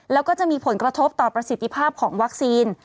แล้วก็จะมีผลกระทบต่อประสิทธิภาพของวัคซีน